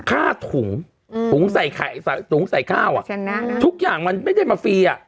ค่าถุงถุงใส่ถุงใส่ข้าวอ่ะทุกอย่างมันไม่ได้มาฟรีอ่ะ